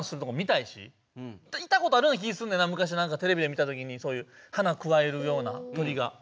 いたことあるような気すんねんなむかしなんかテレビで見たときにそういう花くわえるような鳥が。